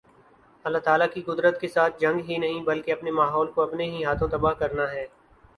اللہ تعالی کی قدرت کے ساتھ جنگ ہی نہیں بلکہ اپنے ماحول کو اپنے ہی ہاتھوں تباہ کرنا ہے